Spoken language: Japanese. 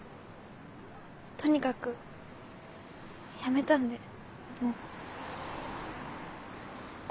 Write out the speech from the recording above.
とにかく辞めたんでもう。